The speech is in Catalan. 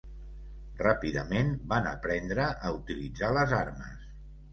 Ràpidament van aprendre a utilitzar les armes.